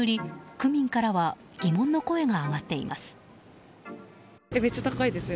区民からは疑問の声が上がっています。